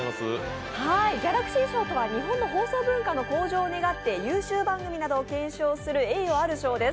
ギャラクシー賞とは日本の放送文化の向上を願い優秀番組などを顕彰する栄誉ある賞です。